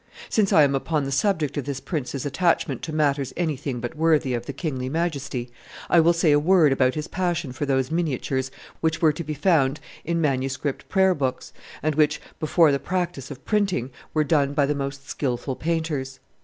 Since I am upon the subject of this prince's attachment to matters anything but worthy of the kingly majesty, I will say a word about his passion for those miniatures which were to be found in manuscript prayer books, and which, before the practice of printing, were done by the most skilful painters.